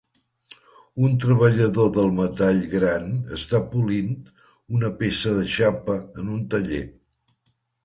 Un treballador del metall gran està polint una peça de xapa en un taller.